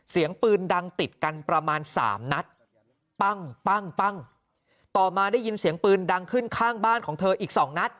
เสียงปืนดังติดกันประมาณสามนัดปั้งปั้งปั้งต่อมาได้ยินเสียงปืนดังขึ้นข้างบ้านของเธออีกสองนัด